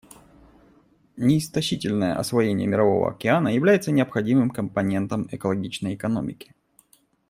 Неистощительное освоение Мирового океана является необходимым компонентом экологичной экономики.